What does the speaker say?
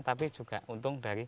tapi juga untung dari